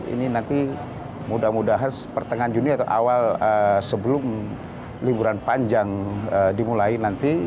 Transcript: ini nanti mudah mudahan pertengahan juni atau awal sebelum liburan panjang dimulai nanti